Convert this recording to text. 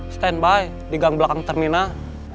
stand by di gang belakang terminal